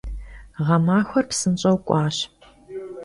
Ğemaxuer psınş'eu k'uaş.